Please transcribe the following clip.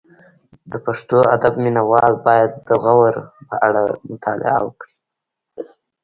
د پښتو ادب مینه وال باید د غور په اړه مطالعه وکړي